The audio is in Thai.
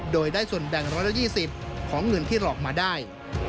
โดยได้ส่วนแบ่ง๑๒๐ของเงินที่หลอกมาได้